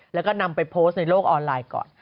แล้วก็นำไปโพสต์ในโลกออนไลน์ก่อน